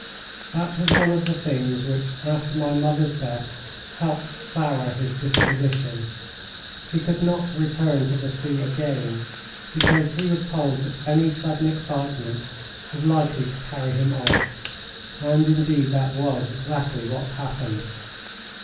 "That was one of the things which, after my mother's death, helped to sour his disposition. He could not return to the sea again, because he was told that any sudden excitement was likely to carry him off; and, indeed, that was exactly what happened."